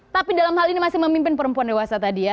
tapi dalam hal ini masih memimpin perempuan dewasa tadi ya